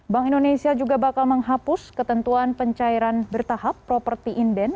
bank indonesia juga bakal menghapus ketentuan pencairan bertahap properti inden